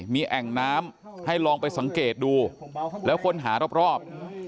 มีแอ่งน้ำให้ลองไปสังเกตดูแล้วค้นหารอบ